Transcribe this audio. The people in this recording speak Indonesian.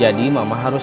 jadi mama harus